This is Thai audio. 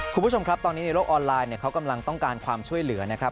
คุณผู้ชมครับตอนนี้ในโลกออนไลน์เขากำลังต้องการความช่วยเหลือนะครับ